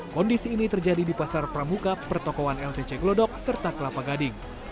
kondisi ini terjadi di pasar pramuka pertokohan ltc glodok serta kelapa gading